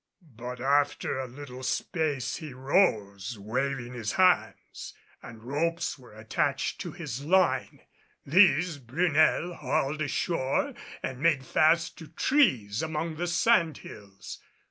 But after a little space he rose, waving his hands, and ropes were attached to his line. These Brunel hauled ashore and made fast to trees among the sand hills.